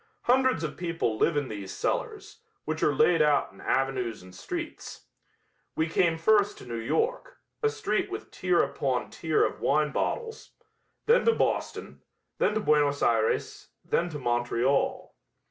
Hundreds of people live in these cellars, which are laid out in avenues and streets. We came first to New York, a street with tier upon tier of wine bottles; then to Boston, then to Buenos Ayres, then to Montreal.